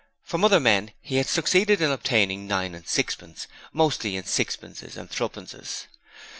From other men he had succeeded in obtaining nine and sixpence, mostly in sixpences and threepences.